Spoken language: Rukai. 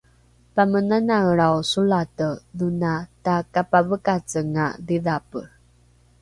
pamenanaelrao solate dhona takapavekacenga dhidhape